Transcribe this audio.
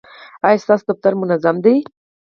ایا ستاسو دفتر منظم دی؟